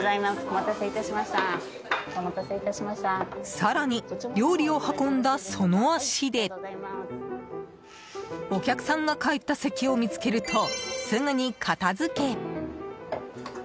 更に料理を運んだその足でお客さんが帰った席を見つけるとすぐに片付け。